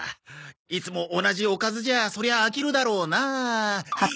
いつも同じおかずじゃそりゃ飽きるだろうなあ。